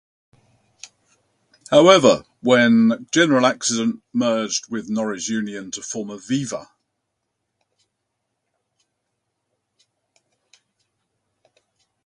However, when General Accident merged with Norwich Union to form Aviva.